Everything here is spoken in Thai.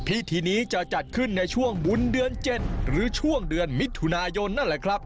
พิธีนี้จะจัดขึ้นในช่วงบุญเดือนเจ็ดหรือช่วงเดือนมิถุนายน